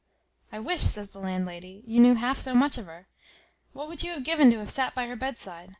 "I wish," says the landlady, "you knew half so much of her. What would you have given to have sat by her bed side?